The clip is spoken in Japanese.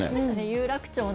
有楽町の。